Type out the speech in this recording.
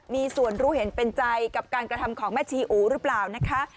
มีส่วนรู้เห็นเป็นใจกับการกระทำของแม่ชีอูหรือเปล่านะคะ